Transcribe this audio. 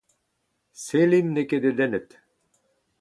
Selim n’eo ket dedennet.